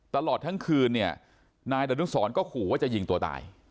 ตลอดทั้งคืนเนี่ยนายดนุสรก็ขู่ว่าจะยิงตัวตาย